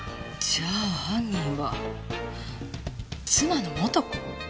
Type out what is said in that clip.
じゃあ犯人は妻の元子？